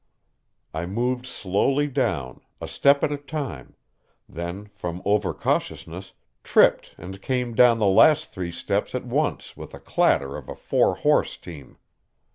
I moved slowly down, a step at a time, then from over cautiousness tripped and came down the last three steps at once with the clatter of a four horse team.